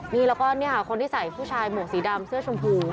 นี่แล้วก็เนี่ยค่ะคนที่ใส่ผู้ชายหมวกสีดำเสื้อชมพู